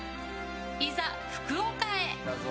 いざ、福岡へ。